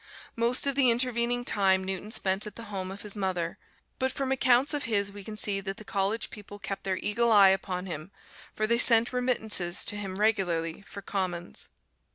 Most of the intervening time Newton spent at the home of his mother, but from accounts of his we can see that the College people kept their eagle eye upon him, for they sent remittances to him regularly for "commons."